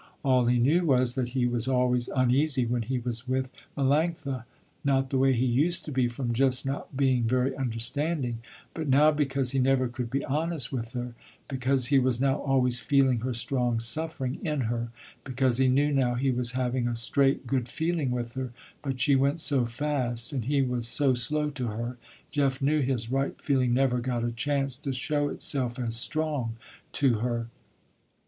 All he knew was, that he was always uneasy when he was with Melanctha, not the way he used to be from just not being very understanding, but now, because he never could be honest with her, because he was now always feeling her strong suffering, in her, because he knew now he was having a straight, good feeling with her, but she went so fast, and he was so slow to her; Jeff knew his right feeling never got a chance to show itself as strong, to her.